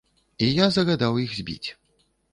І я загадаў іх збіць.